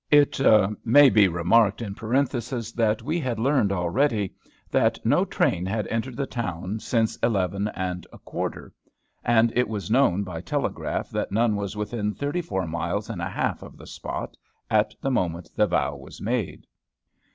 It may be remarked in parenthesis that we had learned already that no train had entered the town since eleven and a quarter; and it was known by telegraph that none was within thirty four miles and a half of the spot, at the moment the vow was made.